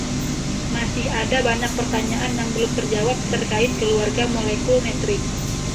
Masih ada banyak pertanyaan yang belum terjawab terkait keluarga molekul netrin.